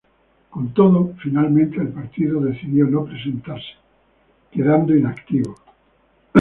Con todo, finalmente el partido decidió no presentarse, quedando inactivo.